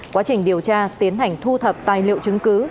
quá trình điều tra tiến hành thu thập tài liệu chứng cứ